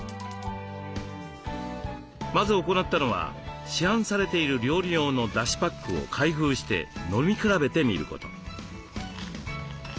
まず行ったのは市販されている料理用のだしパックを開封して飲み比べてみること。